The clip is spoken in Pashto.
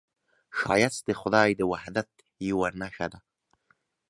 ښایست د خدای د وحدت یوه نښه ده